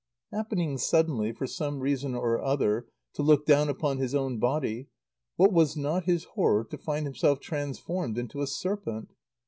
Happening suddenly, for some reason or other, to look down upon his own body, what was not his horror to find himself transformed into a serpent!